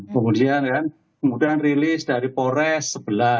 kemudian kan kemudian rilis dari polres sebelas